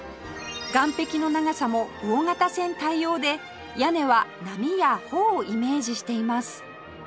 岸壁の長さも大型船対応で屋根は波や帆をイメージしています